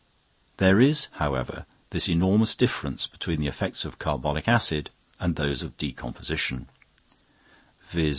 There is, however, this enormous difference between the effects of carbolic acid and those of decomposition; viz.